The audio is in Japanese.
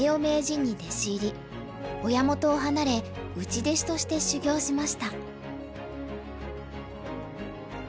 親元を離れ内弟子として修業しました。